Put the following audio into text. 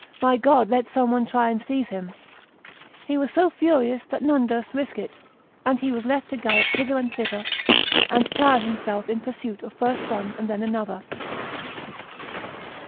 My God! let some one try and seize him!' He was so furious that none durst risk it; and he was left to gallop hither and thither, and tire himself in pursuit of first one and then another.